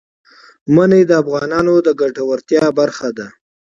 منی د افغانانو د ګټورتیا برخه ده.